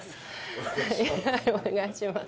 お願いします。